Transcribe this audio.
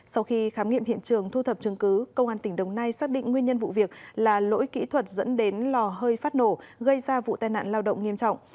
sau khi khám nghiệm hiện trường thu thập chứng cứ công an tỉnh đồng nai xác định nguyên nhân vụ việc là lỗi kỹ thuật dẫn đến lò hơi phát nổ gây ra vụ tai nạn lao động nghiêm trọng